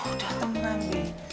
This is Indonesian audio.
oh dateng nanti